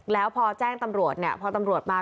แล้วพอแจ้งตำรวจเนี่ยพอตำรวจมา